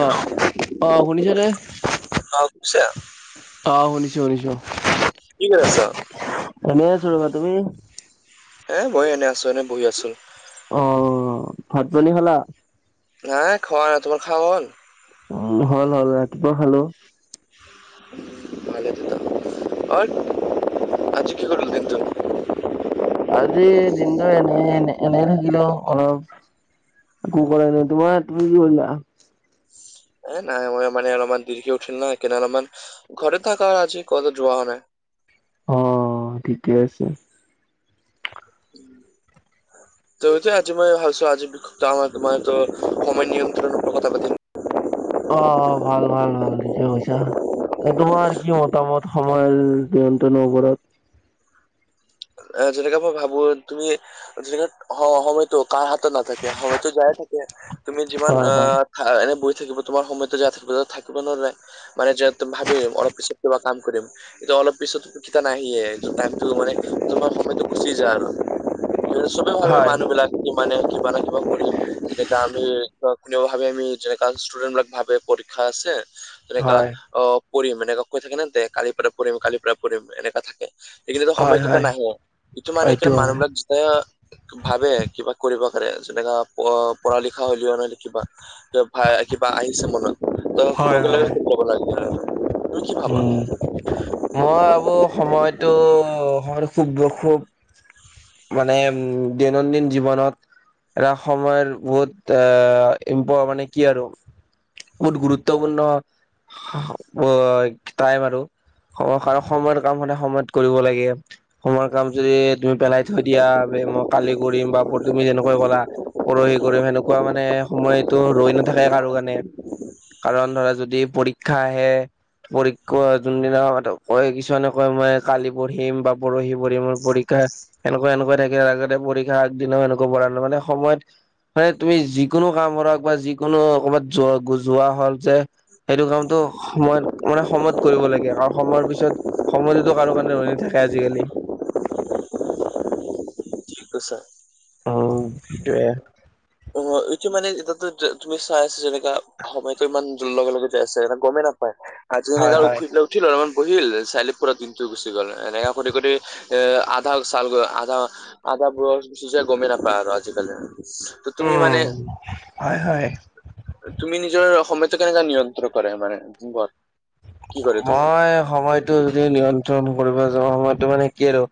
অ', অ', শুনিছে নে? [unintelligible] অ, শুনিছো-শুনিছো। কি কৰি আছ? এনেই আছো ৰবা। তুমি? এ বহি এনে আছো এনে বহি আছো। অ, ভাত-পানী খালা? হা খোৱা নাই। তোমাৰ খাৱা হল? উম, হল-হল ৰাতিপুৱা খালো। অৰ আজি কি কৰিলি দিনটো? আজি দিনটো এনে এ-এনেই থাকিলো অলপ একো কৰা নাই তোমাৰ, তুমি কি কৰিলা? এ নাই মই মানে অলপমান দীৰ্ঘী উঠিল না সেইকাৰণে অলপমান ঘৰত থাকা হৈছে আজি ক'তো যোৱা হোৱা নাই। অ, ঠিকে আছে। উম, তত আজি মই ভাবিছো, আজি মই টোমাৰ সময় নিয়ন্ত্ৰণ কথা পাতিম। অ, ভাল-ভাল ভাল থিকে কৈছা। তোমাৰ কি মতামত, সময় নিয়ন্ত্ৰণৰ উপৰত। অ, যেনেকৈ মই ভাবো। তুমি যত সময়তো কাৰ হাতত নাথাকে, সময়তো যায়ে থাকে। তুমি যিমান হয় হয় আহ, এনে বহি থাকিব, তোমাৰ সময়তো যাই থাকিবাত থাকিব নোৱাৰে। মানে যিহেতু ভাবিম অলপ পিছত কিবা কাম কৰিম। এটো অলপ পিছত সুখী তা টাইমতটো মানে তোমাৰ সময়তো গুচি যায় আৰু সবে ভাবে হয় মানুহ বিলাক কিমানে কিমানে কৰিম তেতিযটো আমি কোনে ভাবে আমি যেনেকা ষ্টুডেটবিলাক ভাবে পৰীক্ষা আছে যেনেকা হয় অ, পঢ়িম এনেকুৱা কৈ থাকে নহ তে কালিৰ পৰা পঢ়িম, কালিৰ পৰা পঢ়িম এনেকুৱ থাকে। সেইখিনিত হয় সময় হয় নাহে ইটো মানে এইটো হয় মানুহবিলাক এ ভাবে কিবা কৰিব কাৰণে যেনেকা প পঢ়া লিখা হলেও নহয় কিবা। ভা কিবা আহিছে মনত। তই হয় কোনোক লে হয় যব লাগিল তুমি কি ভাবা? উম মই ভাবো সময়টো সময়তো খুব দু খুব মানে উম, দৈনন্দিন জীৱনত, এটা সময়ৰ বহুত ইমপ মানে কি আৰু। বহুত গুৰুত্বপূৰ্ণ অ, টাইম আৰু। স-সময়ৰ কাম সদাই সময়ত কৰিব লাগে। সয়ৰ কাম যদি তুমি পেলাই থৈ দিয়া, মই কালি কৰিম বা তুমি যেনেকৈ কলা। পৰহি কৰিম সেনেকুৱা মানে সময়তটো ৰৈ নাথাকে কাৰোৰ কাৰণে। কাৰণ ধৰা যদি পৰীক্ষা আহে, পৰীক্ষ যোনদিনা কয় কিছুমানে কয় মই কালি পঢ়িম বা পৰহি পঢ়িম পৰীক্ষা এনেকুৱা-এনেকুৱা থাকিলে আগতে পৰীক্ষা আগদিনাও এনেকুৱা কৰা নাই মানে সময়ত মানে তুমি যিকোনো কাম কৰক বা যিকোনো কবাত যোৱা-যোৱা হক যে। সেইটো কামটো সময়ত, মানে সময়ত কৰিব লাগে অ সময়ৰ পিছত সময়টোতো কাৰো কাৰণে ৰৈ নাথাকে আজিকালি। [unintelligible] উম, সেইটোৱে। অ, এইটো মানে এতিয়াতো তুমি চাই আছা যেনেকা সময়তো ইমান লগে-লগে যাই আছে, এ গমেই নাপায়। আজি হয় এনেকা হয় উঠিল অলপমান বহিল, চাৰিআলি পুৰা দিনটো গুচি গল এনেকা কৰি-কৰি, এ আধা চাল আধা-আধা বয়স গুচি যায় গমেই নাপায় আৰু আজিকালি। তুমি মানে উম, হয়-হয়। তুমি নিজৰ সময়টো কেনেকে নিয়ন্ত্ৰণ কৰে মানে ঘৰত? মই সময়টো যদি নিয়ন্ত্ৰণ কৰিব যাও, সময়টো মানে কি আৰু?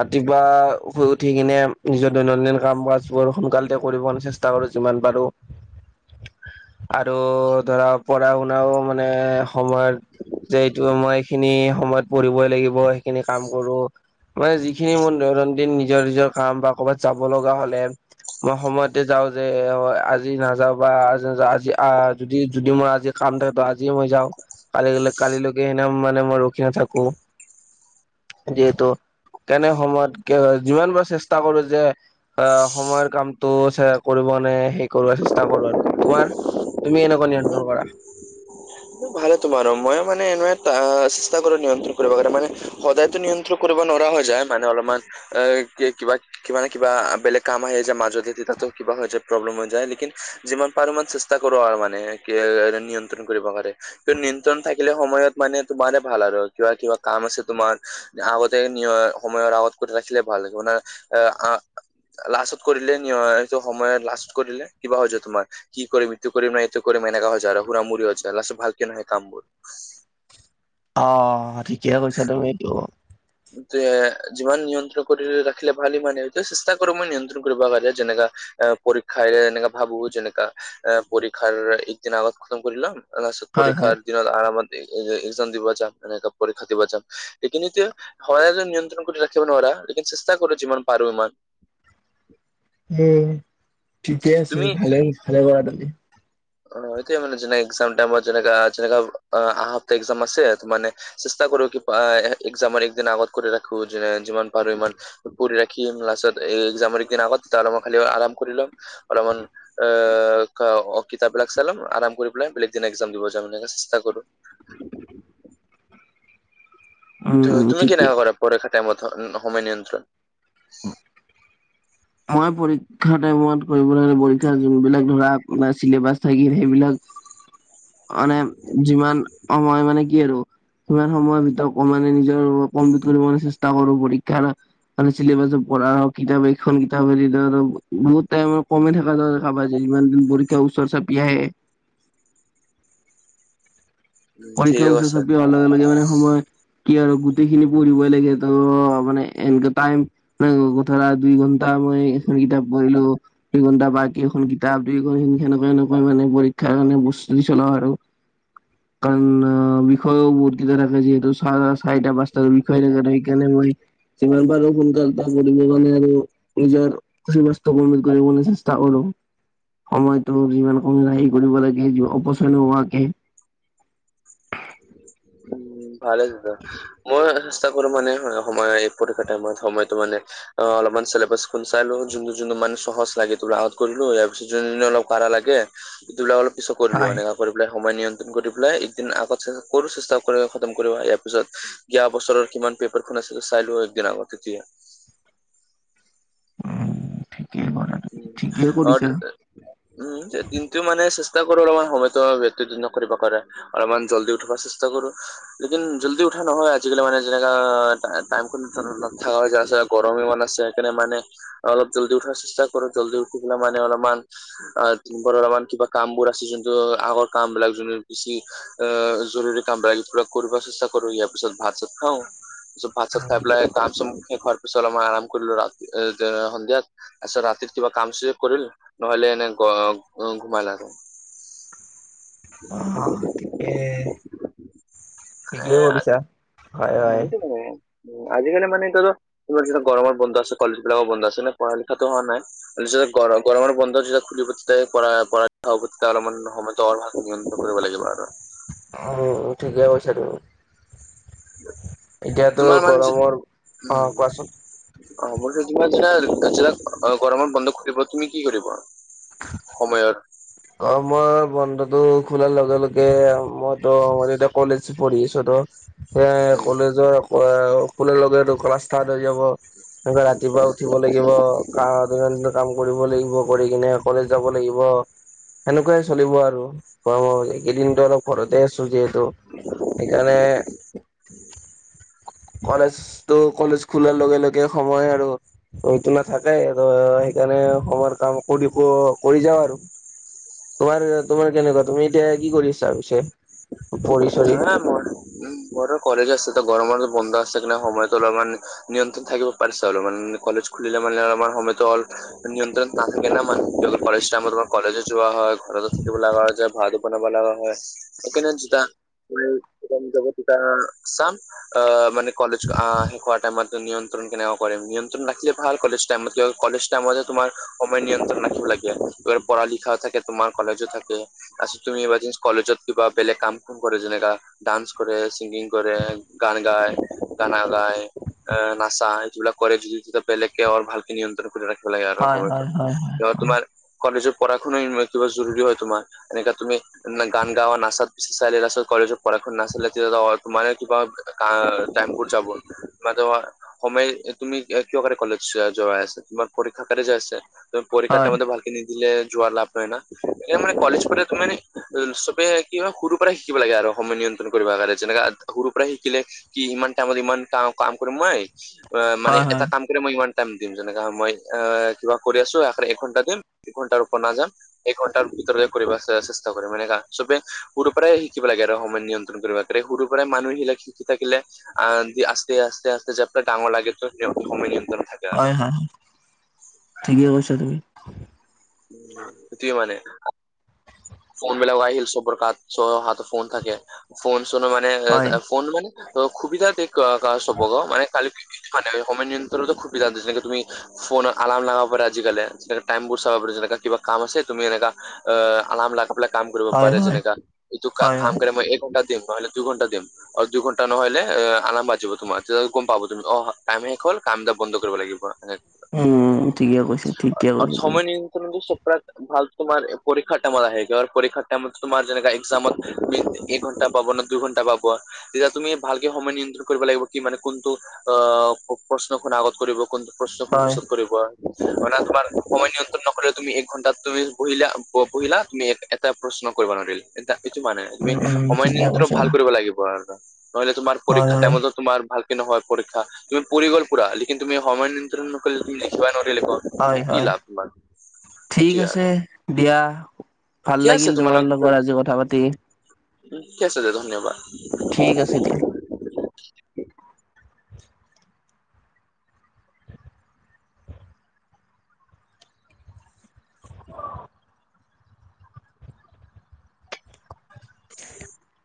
ৰাতিপুৱা শুই উঠি কিনে নিজৰ দৈনন্দিন কাম কাজ বোৰ সোনকালতে কৰিব চেষ্টা - কৰো যিমান পাৰো, [inaudible] আৰু ধৰা পঢ়া শুনাও মানে সময়ত, যে এইটো মই এইখিনি সময়ত পঢ়িবই লাগিব, সেইখিনি কাম কৰো। মানে যিখিনি মোৰ দৈনন্দিন নিজৰ-নিজৰ কাম বা কৰবাত যাব লগা হলে, মই সময়তে যাও যে আজি নাযাও বা আজি নাযা আজি যদি-যদি মই আজি, কাম থাকেতো আজি মই যাওঁ, কালি কালিলৈকে সেনে মানে মই ৰখি নাথাকো। যিহেতু তেনে সময়ত যিমান পাৰো চেষ্টা কৰো যে, অ, সময়ৰ কামটো কৰিব নে, সেই কৰ চেষ্টা কৰো আৰু। তোমাৰ? তুমি কেনেকৈ নিয়ন্ত্ৰণ কৰা? হয়। [unintelligible] ভালে তোমাৰো। মই মানে এনে চেষ্টা কৰো নিয়ন্ত্ৰণ কৰিব কাৰণে মানে, সদায়তো নিয়ন্ত্ৰণ কৰিব নোৱাৰা হৈ যায়, মানে অলপমান এ কি কিবা কিবা নে কিবা বেলেগ কাম আহি যায় মাজত এদিন তেতিয়াতো কিবা হৈ যায়, প্ৰব্লেম হৈ যায়, লেকিন যিমান পাৰো চেছ চেষ্টা কৰো আৰু মানে কি এ নিয়ন্ত্ৰণ কৰিব পাৰে। নিয়ন্ত্ৰণ থাকিলে সময়ত মানে তোমাৰ ভাল আৰু কিবা কিবা কাম আছে তোমাৰ, আগতে নিয় সময়ৰ আগত কোট ৰাখিলে ভাল লাগিব না, আৰ আহ লাষ্টত কৰিলে ন' এইটো সময় লাষ্টত কৰিলে কিবা হৈ হৈছে, তোমাৰ কি কৰিম ইটো কৰিম নাই, এনেকা‌ হৈ যায়, আৰু হুৰামুৰি হৈ যায়, লাষ্টত ভালকে নহয় কামবোৰ। অ' ঠিকে কৈছা তুমি এইটো। যিমান নিয়ন্ত্ৰণ কৰি ৰাখিলে ভাল, ই মানে চেষ্টা কৰো মই নিয়ন্ত্ৰণ কৰিব যেনেকা, আহ পৰীক্ষা এনেকা ভাবো যেনেকা আহ পৰীক্ষাৰ একদিন আগত খতম কৰি লম। লাষ্টত হয় পৰীক্ষাৰ হয় দিনত আৰামত একজাম দিব যাম, এনেকা পৰীক্ষা দিব যাম। এইখিনিতে সদায় যে নিয়ন্ত্ৰণ কৰি ৰাখিব নোৱাৰা, লেকিন চেষ্টা কৰো যিমান পাৰো ইমান। উম, ঠিকে আছে তুমি ভালে ভালে কৰা তুমি। অ' এতিয়া মানে যে এক্সাম টাইমত যেনেকা যেনেকা আহ এক্সাম আছে মানে। চেষ্টা কৰো কি এক্সামৰ একদিন আগত কৰি ৰাখো, যিমান পাৰো ইমান। কৰি ৰাখিম, লাষ্টত এক্সামৰ একদিন আগত তাৰ মই খালি আৰাম কৰি ল'ম, অলপমান অ' কিতাপবিলাক চাইলম আৰাম কৰি পেলাই, বেলেগ দিনে এক্সাম দিব যাম চেষ্টা কৰো। উম উম তুমি ঠিকে কেনেকা কৰা পৰীক্ষা টাইমত সময় নিয়ন্ত্ৰণ? মই পৰীক্ষা টাইমত কৰিব পৰীক্ষা যোনবিলাক ধৰা চিলেবাছ থাকিল সেইবিলাক, [inaudible] মানে যিমান সময় মানে কি আৰু সিমান সময়ৰ ভিতৰত মানে নিজৰ কমপ্লিট কৰিব চেষ্টা কৰো পৰীক্ষাৰ মানে চিলেবাছত পঢ়াৰ হওক কিতাপ এক সেইখন কিতাপে দি টো আৰু বহুত টাইম কমি থকা যেন দেখা পাইছে। ইমান দিন পঢ়ি ত ওচৰ চাপি আহে, উম, ঠিক পৰীক্ষাও ওচৰ আছে। চাপি অহা লগে লগে মানে সময়। কি আৰু গোটেই খিনি পঢ়িবই লাগে ত' মানে এনেকে টাইম, ধৰা দুই ঘণ্টা সময় এখন কিতাপ পঢ়িলো, দুইঘণ্টা বা এইখন কিতাপ দেৰি সেনেকুৱা এনেকুৱা মানে পৰীক্ষাৰ কাৰণে বস্তু চলাওঁ আৰু। কাৰণ বিষয়ও বহুতকেইটা থাকে, যিহেতু চাৰ- চাৰিটা পাঁচটা বিষয় শিকালে মই সেইকাৰণে মই যিমান পাৰো সোনকাল তটা কৰিব কাৰণে আৰু নিজৰ খু বস্তু কৰিবলে চেষ্টা কৰোঁ। সময়তো যিমান হোম আহি কৰিব লাগে। অপচয় হোৱাকে উম ভালে দিয়া। মই চেষ্টা কৰোঁ মানে সময় এই পৰীক্ষা টাইমত সময়তটো মানে অ' অলপমান চিলেবাছ খুলি চাইলও যোনটো যোনটো মান সহজ লাগেতো আউট কৰিলোঁ। ইয়াৰ পিছত যোনটো অলপ কাৰা লাগে অলপ পিছত কৰিলোঁ হৈ হয় এনেকা কৰি পেলাই সময় নিয়ন্ত্ৰণ কৰি পেলাই, একদিন আগত কৰোঁ চেষ্টা খতম কৰিবা ইয়াৰ পিছত যোৱা বছৰৰ কিমান পেপাৰখন আছে চাই লোৱা একদিন আগত তেতিয়া অহ, ঠিকেই কলা। অহ [inaudible] উম কিন্তু মানে চেষ্টা কৰোঁ, অলপ মান সময়তো ব্যতিত নকৰে মানে অলপমান জল্দি উঠিব চেষ্টা কৰোঁ। লেকিন জল্দি উঠা নহয় আজিকালি মানে যেনেকা টাইম নহয়। হৈ যোৱা গৰম ইমান আছে সেইকাৰণে মানে অলপ জল্দি উঠিব চেষ্টা কৰোঁ। জল্দি উঠি পেলাই মানে অলপমান অহ, অলপমান কিবা কামবোৰ আছে যোনটো আগৰ কাম বিলাক যোনে বেছি অহ, জৰুৰী কাম বা এইবিলাক কৰিব চেষ্টা কৰোঁ। তাৰপিছত ভাত চাত খাওঁ তাৰপিছত ভাত চাত খাই পেলাই তাৰপিছত শেষ ঘৰ হোৱাৰ পিছত আৰাম কৰিলোঁ। ৰাতি সন্ধিয়া। তাৰপিছত ৰাতি কিবা কাম চৰি কৰিলোঁ নহলে এনে ঘুমাই থাকোঁ। অ' ঠিকেই- ঠিকেই কৰিছা। হয় হয় [unintelligible] আজিকালি মানে এইটো তোমাৰ গৰমৰ বন্ধ আছে। কলেজ‌ বিলাকো বন্ধ আছে। পঢ়া লিখাটো হোৱা নাই। তাৰপিছত গৰ গৰমৰ বন্ধ যেতিয়া খুলিবই তেতিয়াই পঢ়া লিখা অলপমান হ'ব। তল হাত নিয়ন্ত্ৰণ কৰিব লাগিব আৰু অ' ঠিকে কৈছা তুমি এতিয়াতো তোমাৰ মানে যে- গৰমৰ অ' উম কোৱাচোন [unintelligible] গৰমৰ বন্ধ খুলিব, তুমি কি কৰিবা সময়ত। অ, মই বন্ধটো খোলাৰ লগে লগে মইতো এতিয়া কলেজ পঢ়ি আছো তহ এ উম। কলেজৰ স্কুলৰ লগেটো ক্লাছ ষ্টাৰ্ট হৈ যাব। তাৰপাছত ৰাতিপুৱা উঠিব লাগিব। কা দৈনন্দিন কাম কৰিব লাগিব কৰি কিনে আকৌ কলেজ যাব লাগিব। সেনেকুৱাই চলিব আৰু গৰমৰ এইকেইদিনো অলপ ঘৰতে আছো যিহেতু ত সেইকাৰণে কলেজতো কলেজ খোলাৰ লগে লগে সময় আৰু ৰৈতো নাথাকে আৰু সেইকাৰণে সময় কাম কৰি কৰিব যাওঁ আৰু তোমাৰ, তোমাৰ কেনেকুৱা তুমি এতিয়া কি কৰিছা পিছে পঢ়ি-চঢ়ি হা মোৰ উহ, মোৰতো কলেজ আছে। গৰমৰ বন্ধ আছে সময়টো অলপমান নিয়ন্ত্ৰণ থাকিব পাৰিছো আৰু‌ অলপমান কলেজ খুলিলে মানে আমাৰ সময়তো অ নিয়ন্ত্ৰণ নাথাকিলে মানে, কলেজ টাইমত তোমাৰ কলেজো যোৱা হয় ঘৰতো থাকিব লগা হয় যে ভাত বনাব লগা হয়। সেই কাৰণেহে যেতিয়া বুলি দোকান যাব তেতিয়া যাম অ, মানে কলেজ অ, শেষ হোৱাৰ টাইমত। নিয়ন্ত্ৰণ কেনেকুৱা কৰিম, নিয়ন্ত্ৰণ ৰাখিলে ভাল কলেজ টাইমত, কিয় কলেজ টাইম হ'লে তোমাৰ সময় নিয়ন্ত্ৰণ ৰাখিব লাগিব এই পঢ়া-লিখা থাকে। তোমাৰ কলেজো থাকে তাৰপিছত তুমি এই কলেজত কিবা বেলেগ কাম কৰে যেনেকা ডান্স কৰে, ছিংগিং কৰে, গান গায়, গানা গায় এহ নাচা এইবিলাক কৰে যদি তেতিয়া বেলেগকে অ, ভালকে নিয়ন্ত্ৰণ কৰে। ৰাখিব লাগে আৰু হয় সময় হয় হয় হয় তোমাৰ কলেজৰ পঢ়া-শুনা কিবা জৰুৰী হয় তোমাৰ এনেকা তুমি গান গাৱা, নাচাত চাইডৰ ৰাস্তাত কলেজত পঢ়া নাছিলে তেতিয়া তোমাৰে কিবা কা টেম্পুত যাব মানে তোমাৰ সময় তুমি কিয় কি কাৰনে কলেজ যোৱাই আছা, তোমাৰ পৰীক্ষা কাৰণে যোৱাই আছা নেকি? তহ পৰীক্ষা হয় টাইমতো ভালে কিনিদিলে যোৱা লাভ নাই না, এ মানে কলেজ কৰি মানে তুমি চবে কি হয় সৰু পৰা শিকিব লাগে আৰু সময় নিয়ন্ত্ৰণ কৰিব কাৰণে যেনেকা সৰুৰ পৰাই শিকিলে কি ইমান টাইমত ইমান ক কাম কৰিম মই, মানে হয় হয় এটা কাম বোলে মই ইমান টাইম দিম, যেনেকা মই অ, কিবা কৰি আছো আৰে এঘণ্টা দিম দুঘণ্টাৰ ওপৰত নাযাম, একঘণ্টাৰ ভিতৰত কৰিব চেষ্টা কৰিম এনেকা চবে সৰুৰ পৰাই শিকিব লাগে আৰু সময় নিয়ন্ত্ৰণ কৰিব পাৰি। সৰু পৰাই মানুহ এইবিলাক শিকি থাকিলে আহ আস্তে, আস্তে, আস্তে, যাবতাক ডাঙৰ লাগে ত সময় নিয়ন্ত্ৰণ থাকে আৰু হয়, হয়, ঠিকে কৈছা তুমি উ, সেইটোৱে মানে ফোন বিলাক আহিল চব হাত চ' হাততে ফোন থাকে ফোন-চোন মানে হয় ফোন মান অ', সুবিধা দি ক', ক', চবকে মানে কালি মানে সময় নিয়ন্ত্ৰণতো সুবিধা দিছে যেনেকে তুমি ফোনৰ আলাৰ্ম লগাব পাৰে আজিকালি, যেনে টাইম বোৰ চাব পাৰে। যেনে কিবা কাম আছে তুমি এনেকা অ, আলাৰ্ম লাগাই পেলে কাম কৰিব হয় পাৰে হয় যেনেকা এইটো হয় কাম হয় কৰি মই এঘণ্টা তেনেকুৱা হ'লে দুঘণ্টা দিয়ক। অ, দুঘণ্টা নহ'লে আলাৰ্ম বাজিব তোমাৰ তেতিয়া গম পাব তুমি অ, টাইম শেষ হ'ল কাম-দাম বন্ধ কৰিব লাগিব। উম ঠিকে কৈছে ঠিকে অ', কৈছে তুমি। সময় নিয়ন্ত্ৰণত চপ কাম ভাল তোমাৰ এই পৰীক্ষাৰ টাইমত আহে পৰীক্ষাৰ টাইমত তোমাৰ যেনেকা এক্সামত তুমি এক ঘন্টা পাব নে দুই ঘণ্টা পাব তেতিয়া তুমি ভালকে সময় নিয়ন্ত্ৰণ কৰিব লাগিব কি মানে কোনটো অ', প্ৰশ্নখন আগত কৰিব। কোনটো প্ৰশ্নখন হয় পিছত কৰিব। হয়, মানে তোমাৰ সময় নিয়ন্ত্ৰণ নকৰিলে তুমি এক ঘন্টাত তুমি বহিলা, বহ, বহিলা তুমি এটা প্ৰশ্ন কৰিব নোৱাৰিল এ এইটো মানে তুমি উম উম সময় ঠিকে নিয়ন্ত্ৰণ কৈছা ভাল কৰিব লাগিব আৰু। নহলে তোমাৰ হয় পৰীক্ষা হয় টাইমতো তোমাৰ ভাল ভাল নহ'ল পৰীক্ষা, তুমি পৰি গ'ল পুৰা লেকিন তুমি সময় নিয়ন্ত্ৰণ নকৰিলে তুমি লিখিবা নোৱাৰিলে ক হয়-হয়, ঠিক সেইটোৱে আৰু আছে। দিয়া, ভাল ঠিকে আছে লাগিল তোমাৰ লগত আজি কথা পাতি। উ', ঠিক আছে দে ধন্যবাদ। ঠিক আছে দিয়া।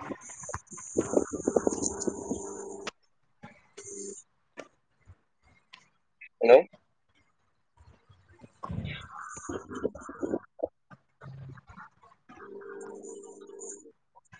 হয়', [unintelligible] হেল্ল', অ', হুম', হুম', [unintelligible] উম', [unintelligible]